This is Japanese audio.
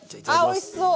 あっおいしそう！